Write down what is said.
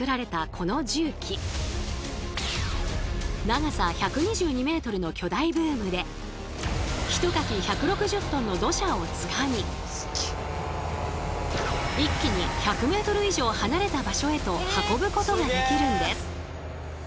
長さ１２２ｍの巨大ブームでひとかき１６０ｔの土砂をつかみ一気に１００ｍ以上離れた場所へと運ぶことができるんです。